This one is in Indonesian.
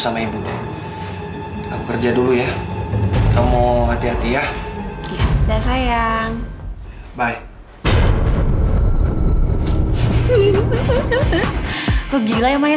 sampai jumpa di video selanjutnya